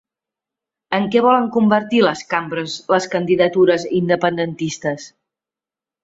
En què volen convertir les cambres les candidatures independentistes?